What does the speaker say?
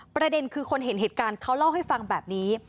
ประเด็นคือคนเห็นเหตุการณ์เขาเล่าให้ฟังแบบนี้